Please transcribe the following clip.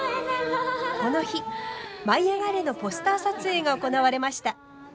この日「舞いあがれ！」のポスター撮影が行われました。